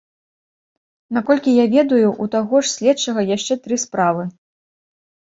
Наколькі я ведаю, у таго ж следчага яшчэ тры справы.